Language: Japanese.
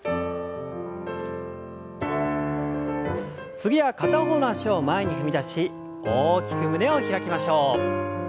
次は片方の脚を前に踏み出し大きく胸を開きましょう。